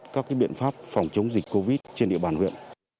các biện pháp phòng chống dịch covid trên địa bàn huyện